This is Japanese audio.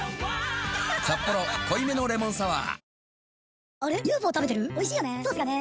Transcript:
「サッポロ濃いめのレモンサワー」